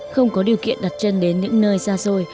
không có điều kiện đặt chân đến những nơi xa xôi